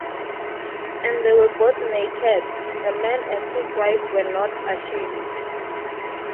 And they were both naked, the man and his wife, and were not ashamed.